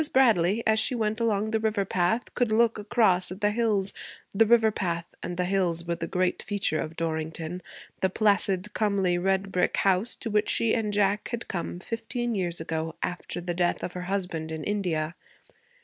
Bradley, as she went along the river path, could look across at the hills; the river path and the hills were the great feature of Dorrington the placid, comely red brick house to which she and Jack had come fifteen years ago, after the death of her husband in India.